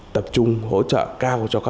tập trung hỗ trợ cao cho các nhà